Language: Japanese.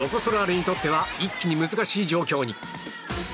ロコ・ソラーレにとっては一気に難しい状況に。